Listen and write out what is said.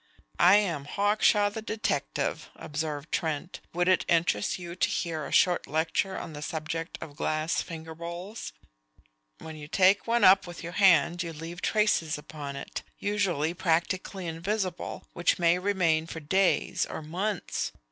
"I am Hawkshaw the detective," observed Trent. "Would it interest you to hear a short lecture on the subject of glass finger bowls? When you take one up with your hand you leave traces upon it, usually practically invisible, which may remain for days or months.